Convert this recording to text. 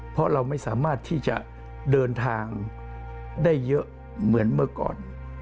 เพราะเราไม่สามารถที่จะเดินทางได้เยอะเหมือนเมื่อก่อน